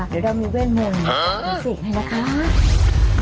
เดี๋ยวดาวมีเว่นมือนหรือสิ่งเพราะสิ่งไฟล่ะคะ